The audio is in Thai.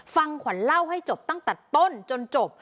ฟังขวัญเล่าให้จบตั้งแต่ต้นจนจบ